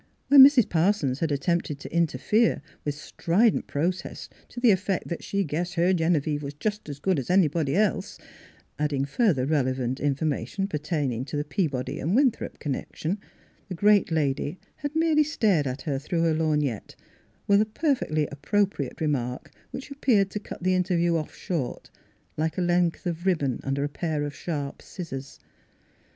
When Mrs. Parsons had attempted to interfere with strident protests to the ef fect that she guessed her Genevieve was " just as good as anybody else," adding further relevant information pertaining to the Peabody and Winthrop connection, the great lady had merely stared at her Miss Fhilura's Wedding Gown through her lorgnette, with a perfectly appropriate remark which appeared to cut the interview ofF short, like a length of ribbon under a pair of sharp scissors.